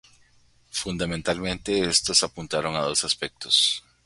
Fundamentalmente, estas apuntaron a dos aspectos.